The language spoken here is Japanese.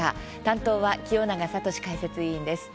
担当は清永聡解説委員です。